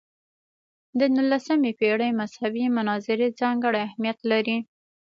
د نولسمې پېړۍ مذهبي مناظرې ځانګړی اهمیت لري.